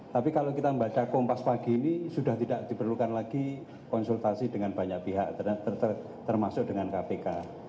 tapi kalau kita membaca kompas pagi ini sudah tidak diperlukan lagi konsultasi dengan banyak pihak termasuk dengan kpk